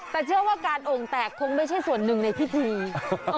แต่เชื่อว่าการโอ่งแตกคงไม่ใช่ส่วนหนึ่งในพิธี